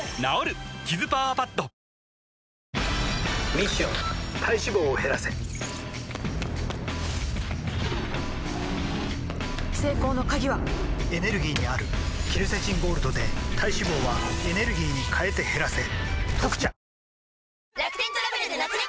ミッション体脂肪を減らせ成功の鍵はエネルギーにあるケルセチンゴールドで体脂肪はエネルギーに変えて減らせ「特茶」